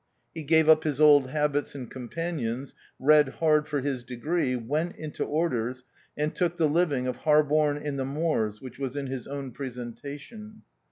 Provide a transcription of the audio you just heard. He gave up his old habits and companions, read hard for his degree, went into orders, and took the living of Harborne in the Moors, which was in his own presentation.